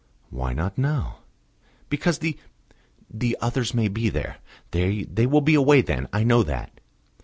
"Why not now?" "Because the the others may be there. They will be away then; I know that."